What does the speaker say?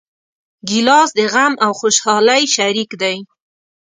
ګیلاس د غم او خوشحالۍ شریک دی.